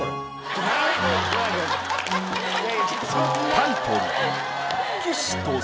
タイトル